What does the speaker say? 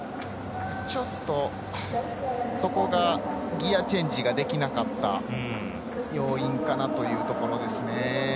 ちょっと、そこがギヤチェンジできなかった要因かなというところですね。